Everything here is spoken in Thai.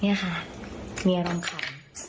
เนี่ยค่ะมีอารมณ์ขัน